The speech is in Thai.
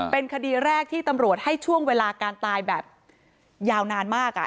เป็นคดีแรกที่ตำรวจให้ช่วงเวลาการตายแบบยาวนานมาก